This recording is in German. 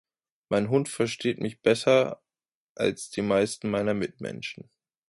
Mein Hund versteht mich besser als die meisten meiner Mitmenschen.